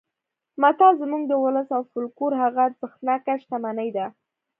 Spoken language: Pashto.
متل زموږ د ولس او فولکلور هغه ارزښتناکه شتمني ده